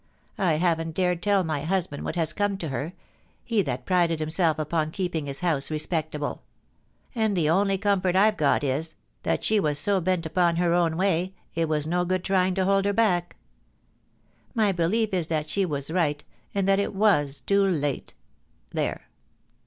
I haven't dared tell my husband what has come to her — he that prided him self upon keeping his house respectable — and the only com fort I've got is, that she was so bent upon her own way, it was no good trying to hold her back My belief is that she was right, and that it was too late. There